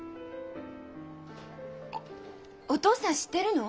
お父さん知ってるの？